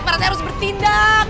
pak rata harus bertindak